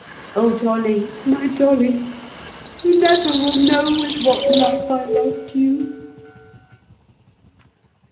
"Oh, Dolly, my Dolly, you never will know with what love I loved you."